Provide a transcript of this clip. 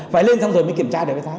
phải lên xong rồi mới kiểm tra về vé tháng